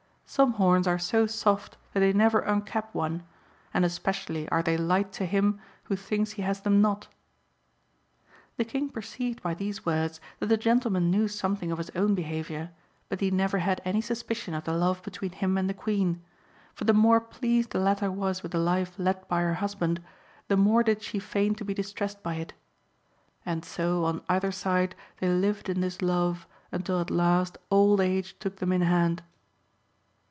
Some horns are so soft that they never uncap one, and especially are they light to him who thinks he has them not." The King perceived by these words that the gentleman knew something of his own behaviour, but he never had any suspicion of the love between him and the Queen; for the more pleased the latter was with the life led by her husband, the more did she feign to be distressed by it. And so on either side they lived in this love, until at last old age took them in hand.